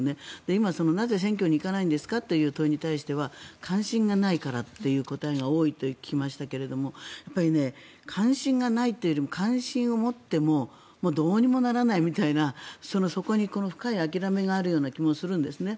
今、なぜ選挙に行かないんですかという問いに対しては関心がないからという答えが多いと聞きましたけども関心がないというよりも関心を持ってもどうにもならないみたいなそこに深い諦めがあるような気もするんですね。